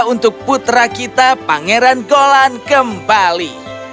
untuk putra kita pangeran golan kembali